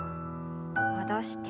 戻して。